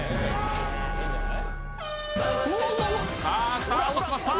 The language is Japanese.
スタートしました。